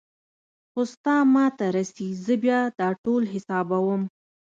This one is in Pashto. خو ستا ما ته رسي زه بيا دا ټول حسابوم.